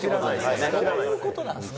どういう事なんですか？